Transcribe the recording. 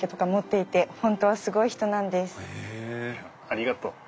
ありがとう。